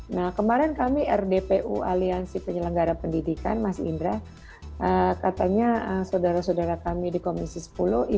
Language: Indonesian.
nah kemarin kami rdpu aliansi penyelenggara pendidikan mas indra katanya saudara saudara kami di komisi sepuluh